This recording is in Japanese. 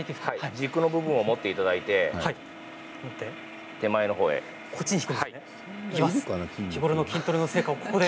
軸の部分を持っていただいて手前のほうで。